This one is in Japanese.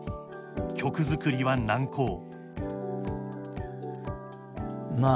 曲作りは難航。